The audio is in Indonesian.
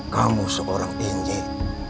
kamu seorang injik